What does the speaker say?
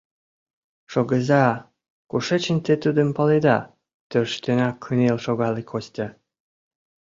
Шогыза, кушечын те тудым паледа? — тӧрштенак кынел шогале Костя.